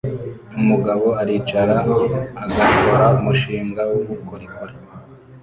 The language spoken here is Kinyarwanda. Umugabo aricara agakora umushinga wubukorikori